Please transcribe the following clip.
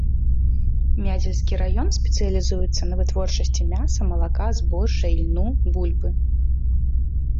Мядзельскі раён спецыялізуецца на вытворчасці мяса, малака, збожжа, ільну, бульбы.